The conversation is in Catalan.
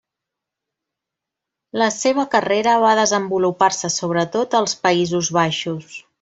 La seva carrera va desenvolupar-se sobretot als Països Baixos.